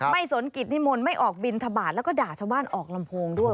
สนกิจนิมนต์ไม่ออกบินทบาทแล้วก็ด่าชาวบ้านออกลำโพงด้วย